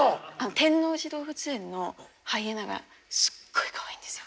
天王寺動物園のハイエナがすっごいかわいいんですよ。